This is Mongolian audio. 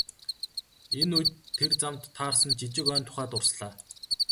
Энэ үед тэр замд таарсан жижиг ойн тухай дурслаа.